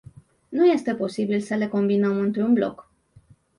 Nu este posibil să le combinăm într-un bloc.